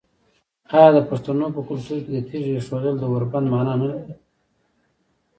آیا د پښتنو په کلتور کې د تیږې ایښودل د اوربند معنی نلري؟